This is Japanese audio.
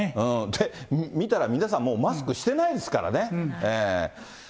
で、見たら、皆さんもう、マスクしてないですからね。